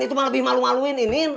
itu mah lebih malu maluin i nin